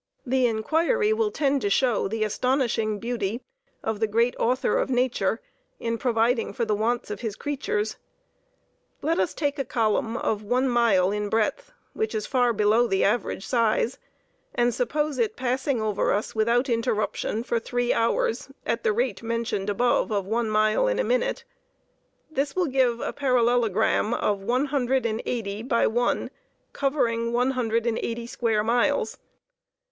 The inquiry will tend to show the astonishing beauty of the great Author of Nature in providing for the wants of His creatures. Let us take a column of one mile in breadth, which is far below the average size, and suppose it passing over us without interruption for three hours, at the rate mentioned above of one mile in a minute. This will give a parallelogram of one hundred and eighty by one, covering one hundred and eighty square miles.